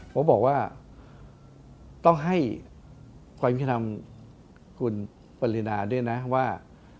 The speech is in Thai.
ผมบอกว่าต้องให้ความยุติธรรมคุณปรินาด้วยนะว่า